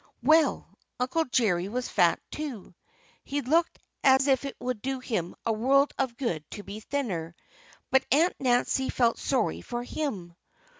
Well, Uncle Jerry was fat, too. He looked as if it would do him a world of good to be thinner. But Aunt Nancy felt sorry for him.